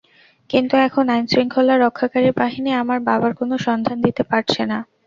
কিন্তু এখন আইনশৃঙ্খলা রক্ষাকারী বাহিনী আমার বাবার কোনো সন্ধান দিতে পারছে না।